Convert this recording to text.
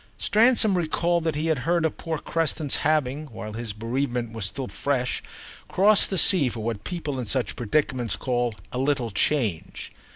Stransom recalled that he had heard of poor Creston's having, while his bereavement was still fresh, crossed the sea for what people in such predicaments call a little change.